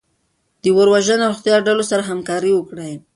د اور وژنې او روغتیایي ډلو سره همکاري وکړئ.